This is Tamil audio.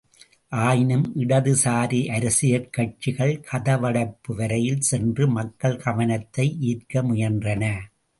ஆயினும் இடதுசாரி அரசியற் கட்சிகள் கதவடைப்பு வரையில் சென்று மக்கள் கவனத்தை ஈர்க்க முயன்றன.